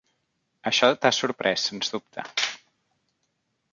Això t'ha sorprès, sens dubte.